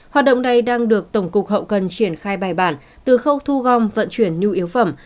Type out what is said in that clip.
hoạt động này đang được tổng cục hậu cần triển khai bài bản từ khâu thu gom vận chuyển nhu yếu phẩm